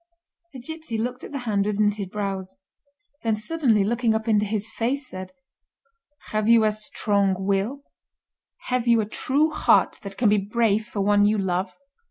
The gipsy looked at the hand with knitted brows; then suddenly looking up into his face, said: "Have you a strong will—have you a true heart that can be brave for one you love?"